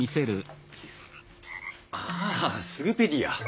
ああスグペディア。